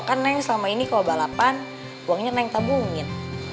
kan neng selama ini kalau balapan uangnya neng tabungin